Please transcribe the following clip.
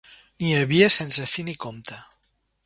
N'hi havia sense fi ni compte.